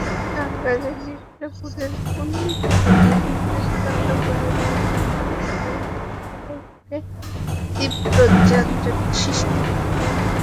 টাঙ্গাইলের মির্জাপুরের কুর্ণী থেকে গাজীপুরের চন্দ্রা পর্যন্ত ঢাকা-টাঙ্গাইল মহাসড়কে তীব্র যানজট সৃষ্টি হয়েছে।